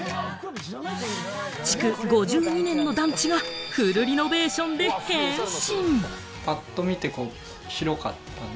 築５２年の団地がフルリノベーションで変身。